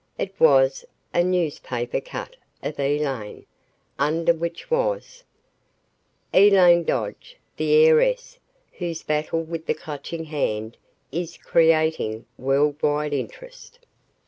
It was a newspaper cut of Elaine, under which was: ELAINE DODGE, THE HEIRESS, WHOSE BATTLE WITH THE CLUTCHING HAND IS CREATING WORLD WIDE INTEREST.